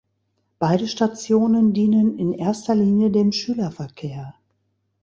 Beide Stationen dienen in erster Linie dem Schülerverkehr.